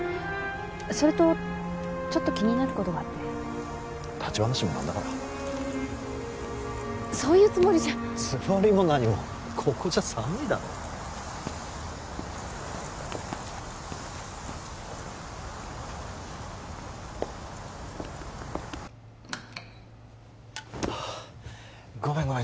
それとちょっと気になることがあって立ち話も何だからそういうつもりじゃつもりも何もここじゃ寒いだろごめんごめん